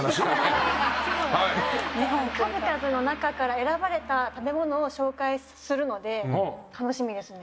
数々の中から選ばれた食べ物を紹介するので楽しみですね。